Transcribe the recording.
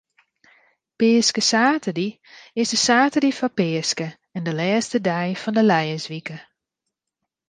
Peaskesaterdei is de saterdei foar Peaske en de lêste dei fan de lijenswike.